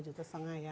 jadi lumayan ya